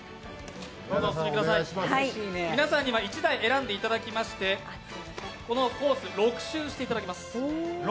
皆さんには１台選んでいただきましてこのコース６周していただきます。